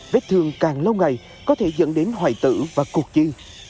vết thương càng lâu ngày có thể dẫn đến hoại tử và cuộc chi